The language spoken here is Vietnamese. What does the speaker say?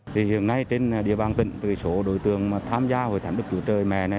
thì hiện nay trên địa bàn tỉnh số đối tượng tham gia hội thánh đức chúa trời mẹ này